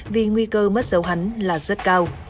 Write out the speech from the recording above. vì nguy cơ mất dấu hắn là rất cao